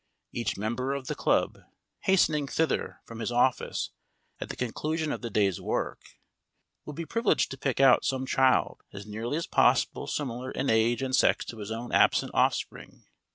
Each member of the club, hastening thither from his office at the conclusion of the day's work, would be privileged to pick out some child as nearly as possible similar in age and sex to his own absent offspring.